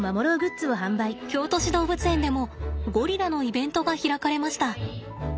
京都市動物園でもゴリラのイベントが開かれました。